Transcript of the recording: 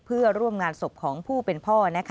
เพื่อร่วมงานศพของผู้เป็นพ่อ